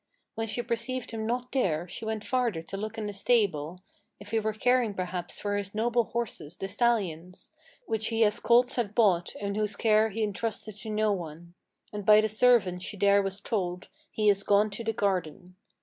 When she perceived him not there, she went farther to look in the stable, If he were caring perhaps for his noble horses, the stallions, Which he as colts had bought, and whose care he intrusted to no one. And by the servant she there was told: He is gone to the garden.